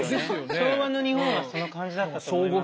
昭和の日本はその感じだったと思います。